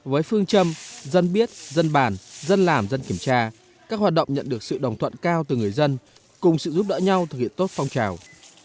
với phương châm dân biết dân bàn dân làm dân kiểm tra các hoạt động nhận được sự đồng thuận cao từ người dân cùng sự giúp đỡ nhau thực hiện tốt phong trào